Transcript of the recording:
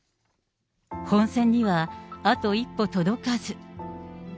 本選にはあと一歩届かず。